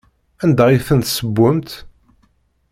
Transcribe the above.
Anda i tent-tessewwemt?